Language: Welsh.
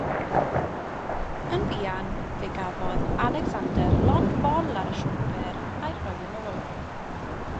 Yn fuan, fe gafodd Alexander lond bol ar y siwmper a'i rhoi yn ôl.